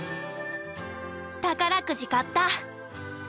宝くじ買った！